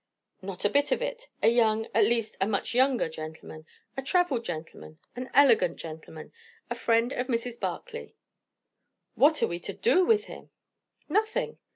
"Not a bit of it. A young, at least a much younger, gentleman; a travelled gentleman; an elegant gentleman. A friend of Mrs. Barclay." "What are we to do with him?" "Nothing.